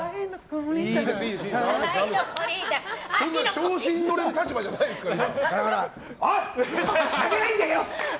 調子に乗れる立場じゃないですから。